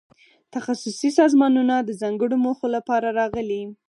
تخصصي سازمانونه د ځانګړو موخو لپاره راغلي.